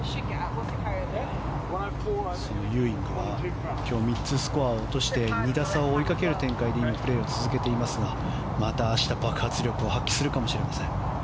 そのユーイングは今日３つスコアを落として２打差を追いかける展開で今プレーを続けていますがまた明日、爆発力を発揮するかもしれません。